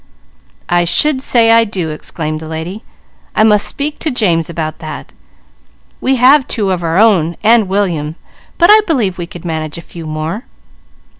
"I should say I do!" exclaimed the lady. "I must speak to James about that. We have two of our own, and William, but I believe we could manage a few more."